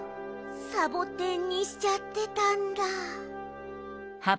サボテンにしちゃってたんだ。